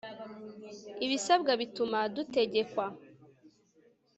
Ibisabwa bituma dutegekwa